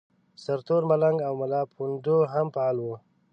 سرتور ملنګ او ملاپوونده هم فعال وو.